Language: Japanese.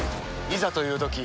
いざというとき